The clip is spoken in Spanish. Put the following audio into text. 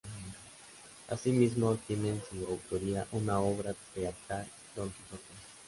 Asimismo, tiene en su autoría una obra teatral, "Don Quijote".